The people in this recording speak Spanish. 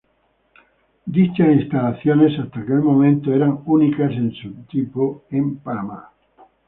Dichas instalaciones, hasta aquel momento, eran únicas en su tipo, en Panamá.